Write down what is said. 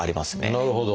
なるほど。